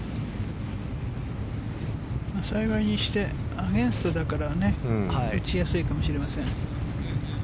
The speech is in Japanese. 幸いにしてアゲンストだからね打ちやすいかもしれません。